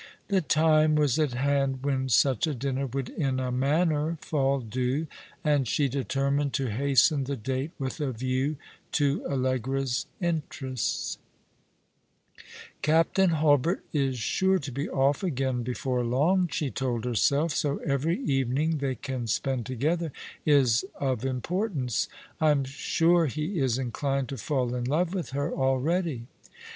The time was at hand when such a dinner would in a manner fall due ; and she determined to hasten the date with a view to AUegra's interests, " Captain Hulbert is sure to be off again before long," she told herself, " so every evening they can spend together is of importance. I'm sure he is inclined to fall in love with her already."